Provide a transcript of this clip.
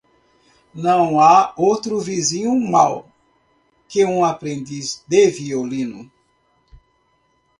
Não há outro vizinho mau que um aprendiz de violino.